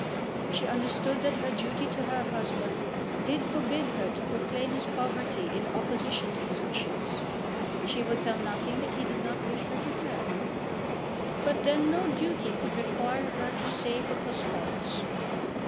She understood that her duty to her husband did forbid her to proclaim his poverty in opposition to his wishes. She would tell nothing that he did not wish her to tell, but then no duty could require her to say what was false.